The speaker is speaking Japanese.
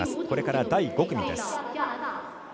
これから第５組です。